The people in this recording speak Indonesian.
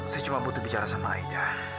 saya cuma butuh bicara sama ayah